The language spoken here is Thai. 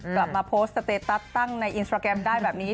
กลับมาโพสต์สเตตัสตั้งในอินสตราแกรมได้แบบนี้